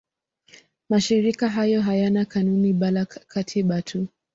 Mashirika hayo hayana kanuni bali katiba tu.